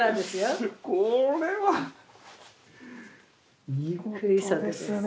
これは見事ですね。